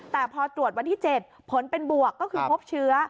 แต่พอตรวจวันที่๗ผลเป็นบวกก็คือพบเชื้อ